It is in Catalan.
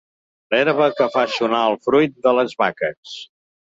L'herba que fa sonar el fruit de les vaques.